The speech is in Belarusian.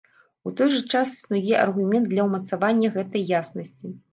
У той жа час існуе аргумент для ўмацавання гэтай яснасці.